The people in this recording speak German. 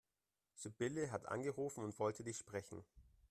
Sibylle hat angerufen und wollte dich sprechen.